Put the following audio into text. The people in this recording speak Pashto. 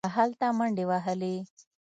هلته منډې وهلې.